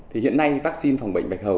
hiện nay vaccine phòng bệnh bạch hầu